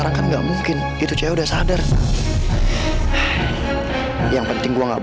tak ada pecarian